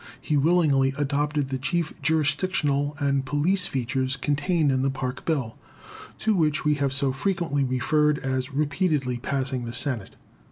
He willingly adopted the chief jurisdictional and police features contained in the Park bill to which we have so frequently referred as repeatedly passing the Senate.